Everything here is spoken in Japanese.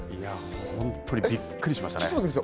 本当にびっくりしましたね。